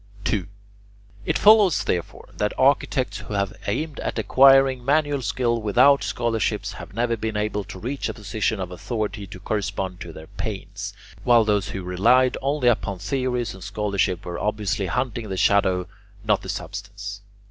2. It follows, therefore, that architects who have aimed at acquiring manual skill without scholarship have never been able to reach a position of authority to correspond to their pains, while those who relied only upon theories and scholarship were obviously hunting the shadow, not the substance.